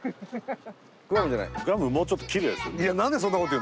もうちょっときれいですよ。